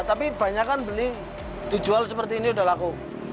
tapi banyak kan beli dijual seperti ini udah laku